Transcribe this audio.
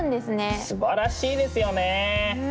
すばらしいですよね。